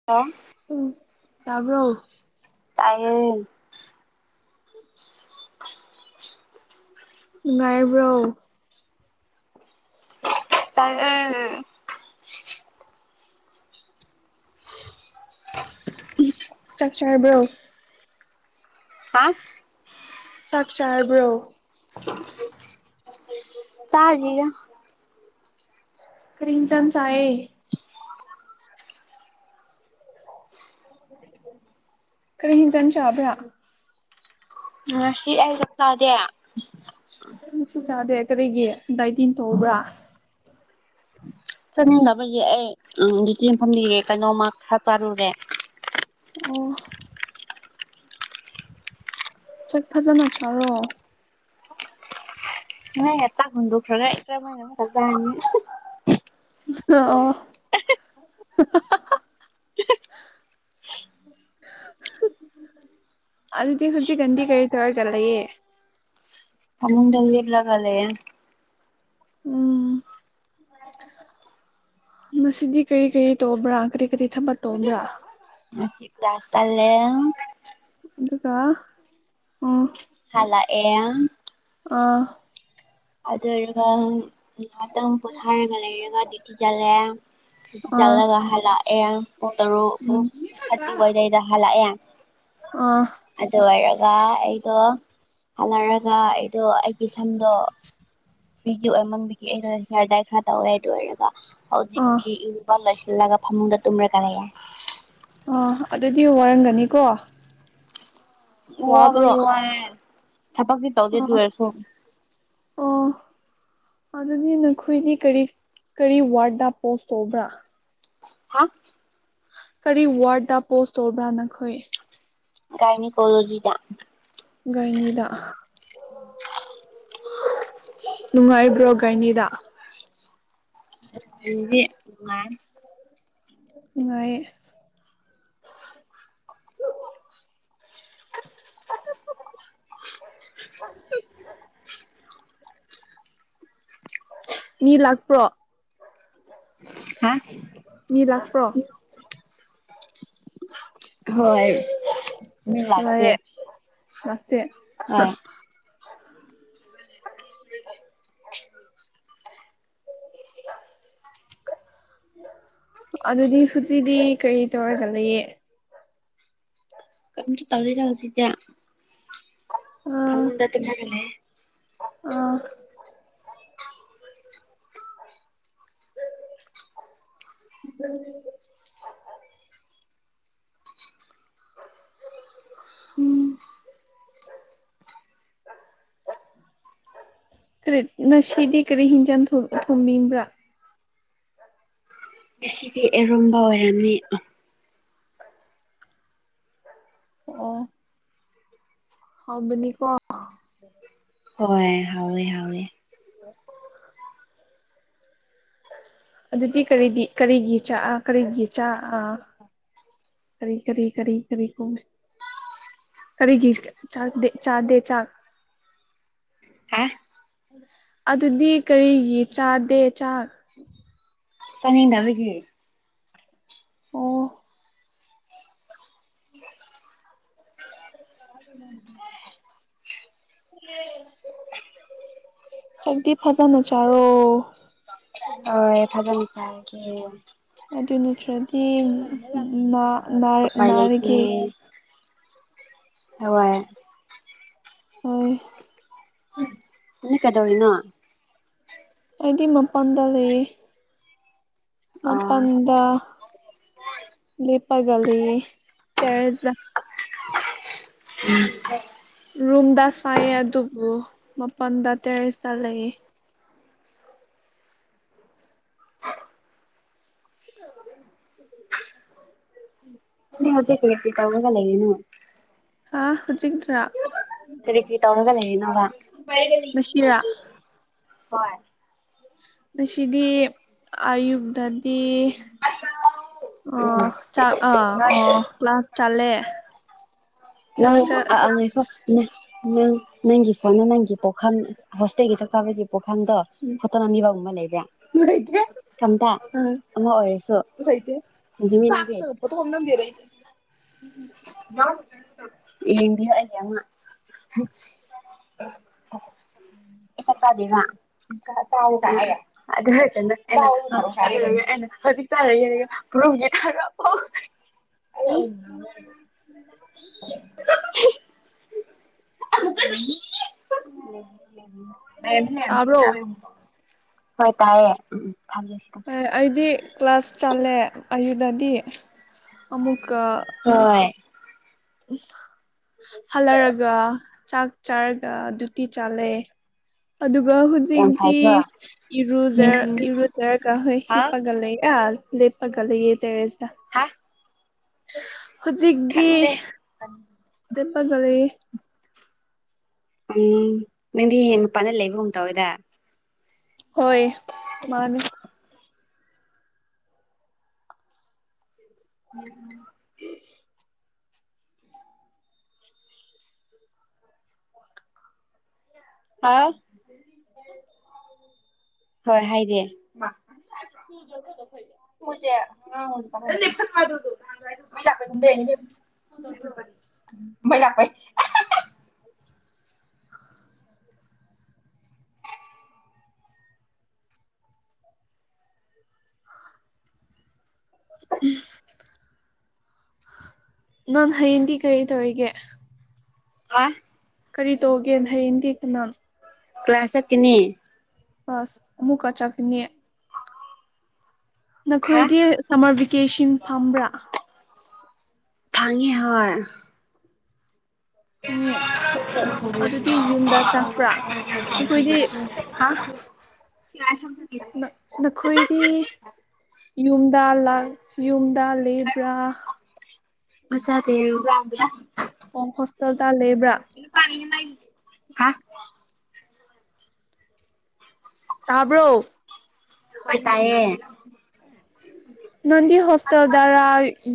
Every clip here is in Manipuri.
[inaudible] ꯎꯝ ꯇꯥꯕ꯭ꯔꯣ ꯇꯥꯏꯌꯦ [unintelligible] ꯅꯨꯡꯉꯥꯏꯕ꯭ꯔꯣ ꯇꯥꯏꯑꯦ ꯆꯥꯛ ꯆꯥꯕ꯭ꯔꯣ ꯍꯥ ꯆꯥꯛ ꯆꯥꯕ꯭ꯔꯣ ꯆꯥꯔꯤꯌꯦ ꯀ꯭ꯔꯤ ꯌꯦꯟꯁꯥꯡ ꯆꯥꯏꯌꯦ ꯀꯔꯤ ꯍꯤꯡꯖꯥꯟ ꯆꯥꯕ꯭ꯔ ꯉꯁꯤ ꯑꯩ ꯆꯥꯛ ꯆꯥꯗꯦ ꯉꯁꯤ ꯆꯥꯗꯦ ꯀꯔꯤꯒꯤ ꯗꯥꯏꯇꯤꯟ ꯇꯧꯕ꯭ꯔꯥ ꯆꯠꯅꯤꯡꯗꯕꯒꯤ ꯑꯩ ꯎꯝ ꯗꯨꯇꯤ ꯃꯐꯝꯗꯤ ꯀꯩꯅꯣꯝꯃ ꯈꯔ ꯆꯥꯔꯨꯔꯦ ꯑꯣ ꯆꯥꯛ ꯐꯖꯅ ꯆꯥꯔꯣ ꯅꯣꯏꯅ ꯇꯥꯛ ꯍꯨꯟꯗꯣꯛꯈ꯭ꯔꯒ ꯑꯩ ꯀꯔꯝꯃꯥꯏꯅ ꯑꯃꯨꯛꯒ ꯆꯥꯅꯤ [unintelligible] ꯑꯗꯨꯗꯤ ꯍꯨꯖꯤꯛꯀꯥꯟꯗꯤ ꯀꯔꯤ ꯇꯧꯔꯒ ꯂꯩꯌꯦ ꯐꯃꯨꯡꯗ ꯂꯦꯞꯂꯒ ꯂꯩꯌꯦ ꯎꯝ ꯃꯁꯤꯗꯤ ꯀꯔꯤ ꯀꯔꯤ ꯇꯧꯕ꯭ꯔꯥ ꯀꯔꯤ ꯀꯔꯤ ꯊꯕꯛ ꯇꯧꯕ꯭ꯔꯥ ꯉꯁꯤꯞ ꯗꯥꯁ ꯆꯥꯂꯦꯝ ꯑꯗꯨꯒ ꯎꯝ ꯍꯜꯂꯛ ꯑꯦꯡ ꯑꯥ ꯑꯗꯨꯑꯣꯏꯔꯒ ꯅꯤꯍꯥꯇꯪ ꯄꯣꯠꯊꯥꯔꯒ ꯂꯩꯔꯒ ꯗ꯭ꯌꯨꯇꯤ ꯆꯠꯂꯦ [unintelligible] ꯑꯥ ꯆꯠꯂꯒ ꯍꯜꯂꯛꯑꯦ ꯄꯨꯡ ꯇꯔꯨꯛ ꯄꯨꯡ ꯎꯝ ꯊꯥꯔꯇꯤ ꯋꯥꯏꯗꯩꯗ ꯍꯜꯂꯛꯑꯦ ꯑꯥ ꯑꯗꯨ ꯑꯣꯏꯔꯒ ꯑꯩꯗꯣ ꯍꯜꯂꯔꯒ ꯑꯩꯗꯣ ꯑꯩꯒꯤ ꯁꯝꯗꯣ ꯄꯤꯖꯤ ꯑꯣꯏꯃꯟꯕꯤꯒꯤ ꯑꯩꯩꯅ ꯍꯤꯌꯥꯔꯗꯥꯏ ꯈꯔ ꯇꯧꯋꯦ ꯑꯗꯨ ꯑꯣꯏꯔꯒ ꯑꯥ ꯍꯧꯖꯤꯛꯇꯤ ꯕ ꯂꯣꯏꯁꯤꯜꯂꯒ ꯐꯃꯨꯡꯗ ꯇꯨꯝꯔꯒ ꯂꯩꯌꯦ ꯑꯣ ꯑꯗꯨꯗꯤ ꯋꯥꯔꯝꯒꯅꯤꯀꯣ ꯋꯥꯕ꯭ꯔꯣ ꯋꯥꯕꯨꯗꯤ ꯋꯥꯏ ꯊꯕꯛꯇꯤ ꯇꯧꯗꯦ ꯑꯗꯨ ꯑꯣ ꯑꯣꯏꯔꯁꯨ ꯑꯣ ꯑꯗꯨꯗꯤ ꯅꯈꯣꯏꯗꯤ ꯀꯔꯤ ꯀꯔꯤ ꯋꯥꯔꯗ ꯄꯣꯁ ꯇꯧꯕ꯭ꯔꯥ ꯍꯥ ꯀꯔꯤ ꯋꯥꯔꯗ ꯄꯣꯁ ꯇꯣꯕ꯭ꯔꯥ ꯅꯈꯣꯏ ꯒꯥꯏꯅꯤꯀꯣꯂꯣꯖꯤꯗ ꯒꯥꯏꯅꯤꯗ ꯅꯨꯡꯉꯥꯏꯕ꯭ꯔꯣ ꯒꯥꯏꯅꯤꯗ [unintelligible] ꯅꯨꯉꯥꯏ ꯅꯨꯡꯉꯥꯏꯌꯦ [unintelligible] ꯃꯤ ꯂꯥꯛꯄ꯭ꯔꯣ ꯍꯥ ꯃꯤ ꯂꯥꯛꯄ꯭ꯔꯣ ꯍꯣꯏ ꯃꯤ ꯂꯥꯛꯇꯦ ꯂꯥꯏꯌꯦ ꯂꯥꯛꯇꯦ ꯍꯣꯏ [inaudible] ꯑꯗꯨꯗꯤ ꯍꯨꯖꯤꯗꯤ ꯀꯔꯤ ꯇꯧꯔꯒ ꯂꯩꯌꯦ ꯀꯦꯝꯇ ꯇꯧꯗꯦꯗ ꯍꯧꯖꯤꯛꯇꯦ ꯑꯥ ꯐꯃꯨꯡꯗ ꯇꯨꯝꯂꯒ ꯂꯩꯌꯦ ꯑꯥ [unintelligible] [inaudible] [unintelligible] ꯀꯔꯤꯠ ꯅꯁꯤꯗꯤ ꯀꯔꯤ ꯍꯤꯡꯖꯥꯡ ꯊꯨꯝ ꯊꯨꯝꯃꯤꯡꯕ꯭ꯔꯥ ꯉꯁꯤꯗꯤ ꯑꯦꯔꯨꯝꯕ ꯑꯣꯏꯔꯝꯅꯤ ꯑꯣ ꯍꯥꯎꯕꯅꯤ ꯀꯣ ꯍꯣꯏ ꯍꯥꯎꯋꯦ ꯍꯥꯎꯋꯦ [unintelligible] ꯑꯗꯨꯗꯤ ꯀꯔꯤꯕꯤ ꯀꯔꯤꯒꯤ ꯆꯥ ꯑ ꯀꯔꯤꯒꯤ ꯆꯥ ꯑꯥ ꯀꯔꯤ ꯀꯔꯤ ꯀꯔꯤ ꯀꯔꯤ ꯀꯣꯡꯅꯦ ꯀꯔꯤꯒꯤ ꯏꯁ ꯆꯥꯛꯗꯦ ꯆꯥꯗꯦ ꯆꯥꯛ ꯍꯥ ꯑꯗꯨꯗꯤ ꯀꯔꯤꯒꯤ ꯆꯥꯗꯦ ꯆꯥꯛ ꯆꯥꯅꯤꯡꯗꯕꯒꯤ ꯑꯣ [unintelligible] ꯍꯧꯗꯤ ꯐꯖꯟꯅ ꯆꯥꯔꯣ ꯑꯣꯏ ꯐꯖꯅ ꯆꯥꯔꯒꯦ ꯑꯗꯨ ꯅꯠꯇ꯭ꯔꯗꯤ ꯅꯥ ꯅꯥꯔ ꯎꯄꯥꯏ ꯂꯩꯇꯦ ꯅꯥꯔꯒꯦ ꯍꯋꯥꯏ ꯑꯣꯏ ꯎꯝ ꯅꯪ ꯀꯩꯗꯧꯔꯤꯅꯣ ꯑꯩꯗꯤ ꯃꯄꯥꯟꯗ ꯂꯩꯌꯦ ꯑ ꯃꯄꯥꯟꯗ ꯂꯦꯞꯄꯒ ꯂꯩꯌꯦ ꯇꯦꯔꯦꯁꯗꯥ [unintelligible] ꯎꯝ ꯔꯨꯝꯗ ꯁꯥꯏꯌꯦ ꯑꯗꯨꯕꯨ ꯃꯄꯟꯗ ꯇꯦꯔꯦꯁꯇ ꯂꯩ [unintelligible] ꯗꯤ ꯍꯧꯖꯤꯛ ꯀ꯭ꯔꯤ ꯀ꯭ꯔꯤ ꯇꯧꯔꯒ ꯂꯩꯔꯤꯅꯣ ꯍꯥ ꯍꯧꯖꯤꯛꯇ꯭ꯔꯥ ꯀꯔꯤ ꯀ꯭ꯔꯤ ꯇꯧꯔꯒ ꯂꯩꯔꯤꯅꯣꯕ ꯉꯁꯤꯔꯥ [unintelligible] ꯍꯣꯏ ꯉꯁꯤꯗꯤ ꯑꯥꯌꯨꯛꯗꯠ ꯏ ꯎꯝ ꯑꯥ ꯆꯥꯛ ꯑꯥ ꯅꯣꯏ ꯑꯣ ꯀ꯭ꯂꯥꯁ ꯆꯠꯂꯦ ꯆꯠꯂ ꯅꯪ ꯆꯠ ꯑꯥ ꯑꯥ ꯉꯥꯏꯈꯣ ꯀ꯭ꯂꯥꯁ ꯅꯥ ꯅꯪ ꯅꯪꯒꯤ ꯐꯣꯟꯗꯣ ꯅꯪꯒꯤ ꯄꯣꯈꯝ ꯍꯣꯁꯇꯦꯜꯒꯤ ꯆꯥꯛ ꯆꯥꯕꯒꯤ ꯄꯣꯈꯥꯡꯗꯣ ꯐꯣꯠꯇꯣ ꯅꯝꯕꯤꯕꯒꯨꯝꯕ ꯑꯃ ꯂꯩꯕ꯭ꯔꯥ ꯂꯩꯇꯦ ꯊꯝꯗꯥ ꯑꯥ ꯑꯃ ꯑꯣꯏꯔꯁꯨ ꯂꯩꯇꯦ [unintelligible] ꯆꯥꯛꯇꯒ ꯐꯣꯇꯣ ꯑꯝ ꯅꯝꯗꯦꯗ ꯑꯩꯗꯤ [unintelligible] ꯌꯦꯡꯕꯤꯌꯣ ꯑꯩꯒꯤ ꯑꯃ ꯑꯩ ꯆꯥꯛ ꯆꯥꯗꯦꯕ ꯆꯥ ꯆꯥꯎꯀ ꯍꯥꯏꯔꯣ ꯍꯥꯏꯗꯦꯍꯦ [unintelligible] [unintelligible] ꯑꯩꯅ ꯍꯧꯖꯤꯛ ꯆꯔꯣꯏꯍꯦ [unintelligible] [unintelligible] [unintelligible] ꯇꯥꯕ꯭ꯔꯣ [unintelligible] ꯍꯣꯏ ꯇꯥꯏꯌꯦ ꯎꯝ ꯎꯝ [unintelligible] ꯌꯦ ꯑꯩꯗꯤ ꯀ꯭ꯂꯥꯁ ꯆꯠꯂꯦ ꯑꯌꯨꯗꯗꯤ ꯑꯃꯨꯛꯀꯥ ꯍꯣꯏ [unintelligible] ꯍꯜꯂꯔꯒ ꯆꯥꯛ ꯆꯥꯔꯒ ꯗꯨꯨꯠꯇꯤ ꯆꯜꯂꯦ ꯑꯗꯨꯒ ꯌꯥꯝ ꯍꯨꯖꯤꯛꯇꯤ ꯐꯩꯀꯣ ꯏꯔꯨꯖ ꯎꯝ ꯎꯝ ꯏꯔꯨꯖꯔꯒ ꯍꯣꯏ ꯍꯥ ꯍꯤꯞꯄꯒ ꯂꯩ ꯑꯥ ꯂꯦꯞꯄꯒ ꯂꯩꯌꯦ ꯇꯦꯔꯦꯁꯗꯥ ꯍꯥ ꯍꯨꯖꯤꯛꯗꯤ ꯈꯪꯗꯦ ꯂꯦꯞꯄꯒ ꯂꯩꯌꯦ ꯎꯝ ꯅꯪꯗꯤ ꯌꯦꯡ ꯃꯄꯥꯟꯗ ꯂꯩꯕꯒꯨꯝ ꯇꯧꯋꯦꯗ ꯍꯣꯏ ꯃꯥꯅꯦ [unintelligible] [unintelligible] ꯍꯥꯎ ꯍꯣꯏ ꯍꯥꯏꯗꯦ ꯀꯨꯜꯗꯣ ꯑꯃꯗꯣ ꯐꯩꯗ꯫ [unintelligible] ꯃꯩ ꯂꯥꯛꯄꯩ ꯀꯨꯝꯗꯔꯛꯏꯅꯤ ꯏꯕꯦꯝꯃ ꯃꯩ ꯃꯨꯠꯄꯥꯅꯤ ꯃꯩ ꯂꯥꯛꯄꯩ ꯎꯝ ꯅꯥꯟ ꯍꯌꯦꯡꯗꯤ ꯀꯔꯤ ꯇꯧꯔꯤꯒꯦ꯫ ꯍꯥ ꯀꯔꯤ ꯇꯧꯒꯦ ꯍꯌꯦꯡꯗꯤ ꯀꯨꯅꯥꯝ ꯀ꯭ꯂꯥꯁ ꯆꯠꯀꯅꯤ꯫ ꯀ꯭ꯂꯥꯁ ꯑꯃꯨꯛꯀ ꯆꯠꯀꯅꯤ꯫ ꯍꯥ ꯅꯈꯣꯏꯗꯤ ꯁꯝꯃꯔ ꯚꯦꯀꯦꯁꯟ ꯐꯝꯕ꯭ꯔꯥ꯫ ꯐꯡꯉꯤ ꯍꯣꯏ ꯫ ꯐꯪꯉꯦ ꯫ ꯅꯈꯣꯏꯗꯤ ꯍꯥ [unintelligible] [unintelligible] ꯅꯈꯣꯏꯗꯤ ꯌꯨꯝꯗ ꯂꯥꯛ ꯌꯨꯝꯗ ꯂꯩꯕ꯭ꯔꯥ꯫ ꯃꯁꯥꯗꯦꯌꯨ [unintelligible] ꯅꯪ ꯍꯣꯁꯇꯦꯜꯗ ꯂꯩꯕ꯭ꯔꯥ꯫ ꯄꯥꯏ ꯅꯩ [unintelligible] ꯍꯥ ꯇꯥꯕ꯭ꯔꯣ ꯍꯣꯏ ꯇꯥꯏꯌꯦ ꯅꯪꯗꯤ ꯍꯣꯁꯇꯦꯜꯗꯔ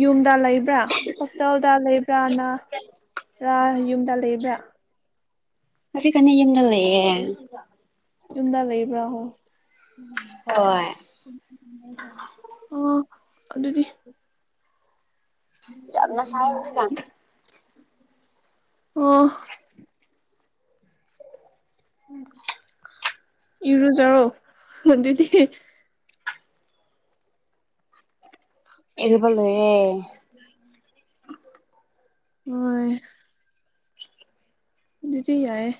ꯌꯨꯝꯗ ꯂꯩꯕ꯭ꯔꯥ꯫ ꯍꯣꯁꯇꯦꯜꯗ ꯂꯩꯕ꯭ꯔꯥꯅ ꯔ ꯌꯨꯝꯗ ꯂꯩꯕ꯭ꯔꯥ꯫ ꯉꯁꯤ ꯈꯛꯅꯦ ꯌꯨꯝꯗ ꯂꯩꯌꯦ꯫ ꯌꯨꯝꯗ ꯂꯩꯕ꯭ꯔꯍꯣ ꯍꯣꯏ ꯑꯣ ꯑꯗꯨꯗꯤ ꯌꯥꯝꯅ ꯁꯥꯏꯑꯦ ꯍꯧꯖꯤꯛꯀꯟ꯫ ꯑꯣ ꯏꯔꯨꯖꯔꯣ ꯑꯗꯨꯗꯤ ꯏꯔꯨꯕ ꯂꯣꯏꯔꯦ ꯍꯣꯏ ꯑꯗꯨꯗꯤ ꯌꯥꯏꯑꯦ꯫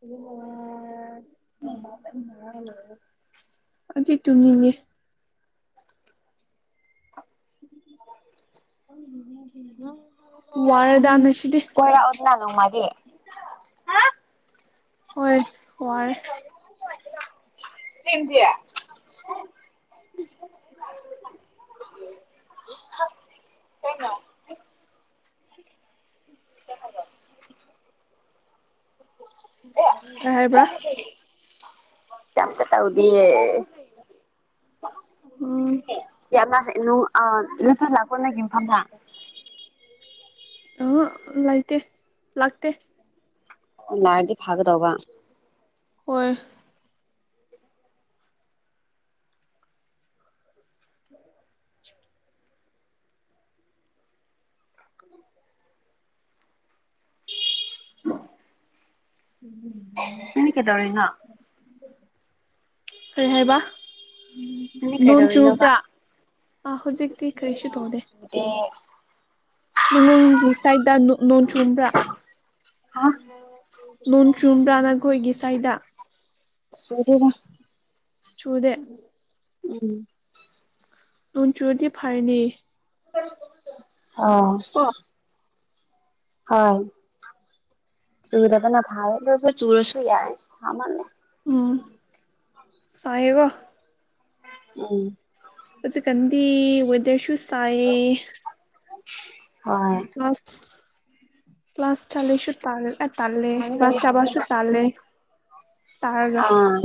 ꯑꯗꯨꯒ ꯋꯥ ꯑꯩꯗꯤ ꯇꯨꯝꯅꯤꯡꯑꯦ ꯎꯝ ꯅꯪ [unintelligible] ꯀꯣꯏꯔꯛꯑꯣꯗꯅ ꯅꯣꯡꯃꯗꯤ꯫ ꯍꯣꯏ ꯋꯥꯏꯌꯦ ꯁꯦꯝꯗꯦ ꯀꯩꯝꯇ ꯆꯠꯈ꯭ꯔꯕꯥ [unintelligible] ꯀꯩ ꯍꯥꯏꯕ꯭ꯔꯥ ꯀꯦꯏꯝꯇ ꯇꯧꯗꯤꯌꯦ ꯎꯝ ꯌꯥꯝ ꯃꯥꯁꯨ ꯏꯅꯨ ꯑ ꯂꯦꯇꯤꯟ ꯂꯛꯄ꯭ꯔꯥ ꯅꯣꯏ ꯌꯨꯡꯐꯝꯅ꯫ [unintelligible] ꯑ ꯂꯩꯇꯦ ꯂꯥꯛꯇꯦ ꯉꯥꯏꯔꯗꯤ ꯐꯥꯒꯗꯧꯕ꯫ ꯍꯣꯏ [unintelligible] [inaudible] ꯎꯝ ꯅꯪꯗꯤ ꯀꯩꯗꯧꯔꯤꯅꯣ ꯀꯩ ꯍꯥꯏꯕ ꯎꯝ ꯅꯪꯗꯤ ꯅꯣꯡ ꯀꯩꯗꯧꯔꯤꯅꯣꯕ ꯆꯨꯕ꯭ꯔꯥ ꯑ ꯍꯧꯖꯤꯛꯇꯤ ꯀꯔꯤꯁꯨ ꯇꯧꯗꯦ ꯇꯦ ꯅꯣꯡ ꯁꯤ ꯁꯨꯋꯥꯏꯇ ꯅꯣꯅꯣꯡ ꯆꯨꯕ꯭ꯔꯥ ꯍꯥ ꯅꯣꯡ ꯆꯨꯕ꯭ꯔꯥ ꯅꯈꯣꯏꯒꯤ ꯁꯨꯋꯥꯏꯗ ꯆꯨꯗꯦꯗ ꯆꯨꯗꯦ ꯎꯝ ꯅꯣꯡ ꯆꯨꯔꯗꯤ ꯐꯔꯅꯦ ꯑꯥ ꯀꯣ ꯍꯣꯏ ꯆꯨꯗꯕꯅ ꯐꯩ ꯑꯗꯨꯏꯁꯨ ꯆꯨꯔꯁꯨ ꯌꯥꯏ ꯁꯥꯃꯜꯂꯦ ꯎꯝ ꯁꯥꯏꯕꯣ ꯎꯝ ꯍꯧꯖꯤꯛꯀꯥꯟꯗꯤ ꯋꯦꯗꯔꯁꯨꯨ ꯁꯥꯏꯌꯦ ꯍꯣꯏ ꯑꯁ ꯄ꯭ꯂꯁ ꯆꯂꯦꯁꯨ ꯇꯜ ꯑ ꯇꯜꯂꯦ ꯆꯕꯁꯨ ꯇꯜꯂꯦ ꯁꯥꯔꯒ [inaudible] ꯑꯥ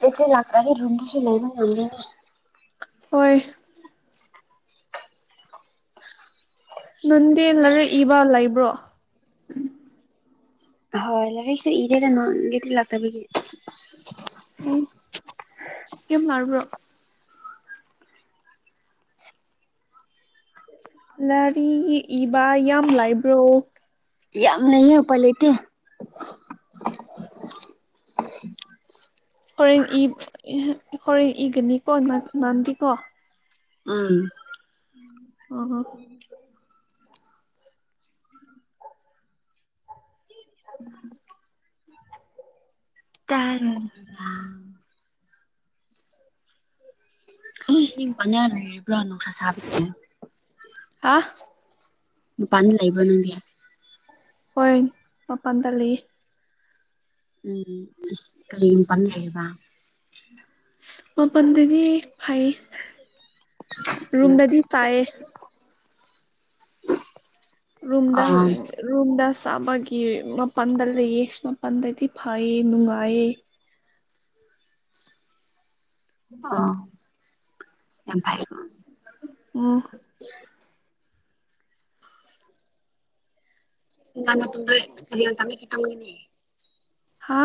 ꯇꯣꯇꯩ ꯂꯥꯛꯇ꯭ꯔꯗꯤ ꯔꯨꯝꯗꯁꯨ ꯂꯩꯕ ꯉꯝꯗꯦ ꯍꯣꯏ ꯅꯪꯗꯤ ꯂꯥꯏꯔꯤꯛ ꯏꯕ ꯂꯩꯕ꯭ꯔꯣ ꯍꯣꯏ ꯂꯥꯏꯔꯤꯛꯁꯨ ꯏꯗꯦꯗ ꯅꯪꯒꯦꯗꯤ ꯂꯥꯛꯇꯕꯒꯤ ꯑꯣ ꯌꯥꯝ ꯅꯥꯕ꯭ꯔꯣ ꯂꯥꯏꯔꯤꯛ ꯏꯕ ꯌꯥꯝ ꯂꯥꯏꯕ꯭ꯔꯣ ꯌꯥꯝ ꯂꯩꯌꯦ ꯎꯄꯥꯏ ꯂꯩꯇꯦ ꯍꯣꯔꯦꯟ ꯏ ꯏꯍ ꯍꯣꯔꯦꯟ ꯏꯒꯅꯤꯀꯣ ꯅꯪ ꯅꯪꯗꯤꯀꯣ ꯎꯝ ꯑꯝ ꯍꯝ [inaudible] [unintelligible] ꯃꯤ ꯄꯟꯌꯥ ꯂꯩꯔꯤꯕ꯭ꯔꯥ ꯅꯨꯡꯁꯥ ꯁꯥꯕꯒꯤ ꯍꯥ ꯃꯄꯥꯟꯗ ꯂꯩꯕ꯭ꯔꯥ ꯅꯪꯗꯤ ꯍꯣꯏ ꯃꯄꯥꯟꯗ ꯂꯩꯌꯦ ꯎꯝ ꯏꯁꯩ ꯀꯔꯤ ꯃꯄꯥꯟ ꯂꯩꯕ ꯃꯄꯥꯜꯗꯗꯤ ꯐꯩ ꯎꯝ ꯔꯨꯝꯗꯗꯤ ꯁꯥꯏ [inaudible] ꯔꯨꯝꯗ ꯑꯥ ꯔꯨꯝꯗ ꯁꯥꯕꯒꯤ ꯃꯄꯥꯟꯗ ꯂꯩꯌꯦ ꯄꯟꯗꯗꯤ ꯐꯩꯌꯦ ꯅꯨꯡꯉꯥꯏꯌꯦ ꯑꯣ ꯌꯥꯝ ꯐꯥꯏ ꯑꯣ ꯅ ꯅ ꯇꯖꯤꯟ ꯇꯃꯦ ꯀꯈꯤ ꯇꯒꯦꯅꯦ [unintelligible] ꯍꯥ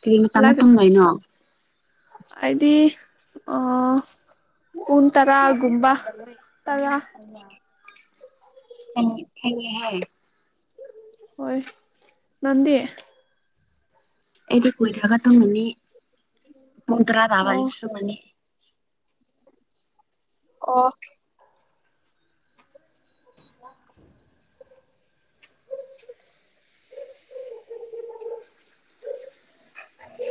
ꯀꯔꯤ ꯃꯇꯝꯅ ꯇꯨꯝꯗꯣꯏꯅꯣ ꯑꯩꯗꯤ ꯑ ꯄꯨꯡ ꯇꯔꯥꯒꯨꯝꯕ ꯇꯜꯂꯥ ꯍ [unintelligible] ꯍꯥꯏ ꯍꯣꯏ ꯅꯥꯡꯗꯤ ꯑꯩꯗꯤ ꯀꯨꯏꯗ꯭ꯔꯒ ꯇꯝꯒꯅꯤ ꯎ ꯄꯨꯡ ꯇꯔꯥ ꯊꯥꯕ ꯑꯩꯁꯨꯃꯅꯤ ꯑꯣ [inaudible] ꯍ [inaudible] ꯈ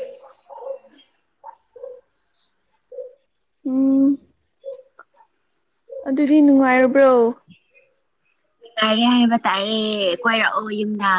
[inaudible] ꯎꯝ ꯎꯝ ꯑꯗꯨꯗꯤ ꯅꯨꯡꯉꯥꯏꯔꯕ꯭ꯔꯣ ꯌꯥꯔꯦ ꯍꯥꯏꯕ ꯇꯥꯔꯦ ꯀꯣꯏꯔꯛꯑꯣ ꯌꯨꯝꯗ